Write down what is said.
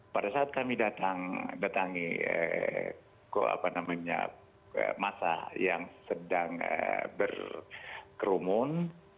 pada saat kami datangi masa yang sedang berkerumun